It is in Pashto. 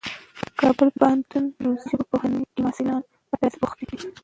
کابل پوهنتون د روسي ژبو پوهنځي کې محصلان په درس بوخت دي.